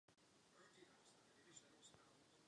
Tím bychom opravdu poškodili občany.